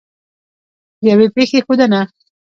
د یوې پېښې ښودنه